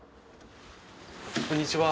こんにちは。